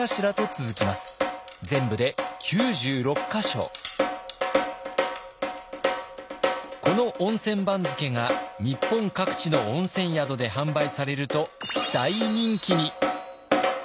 全部でこの温泉番付が日本各地の温泉宿で販売されると大人気に！